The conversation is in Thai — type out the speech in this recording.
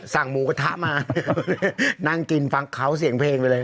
หมูกระทะมานั่งกินฟังเขาเสียงเพลงไปเลย